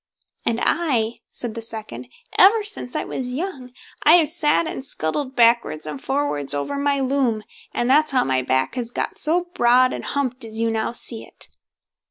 "And I", said the second, "ever since I was young, I have sat and scuttled backwards and forwards over my loom, and that's how my back has got so broad and humped as you now see it."